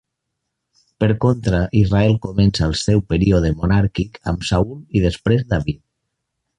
Per contra Israel comença el seu període monàrquic amb Saül i després David.